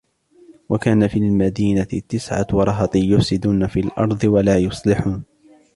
وكان في المدينة تسعة رهط يفسدون في الأرض ولا يصلحون